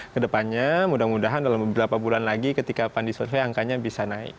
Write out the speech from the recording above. kedepannya mudah mudahan dalam beberapa bulan lagi ketika pan disurvey angkanya bisa naik